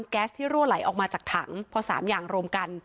แก๊สที่รั่วไหลออกมาจากถังพอ๓อย่างรวมกัน